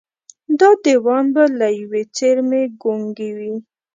دا دېوان به له ېوې څېرمې ګونګي وي